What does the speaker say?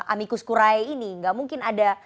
amicus curae ini tidak mungkin ada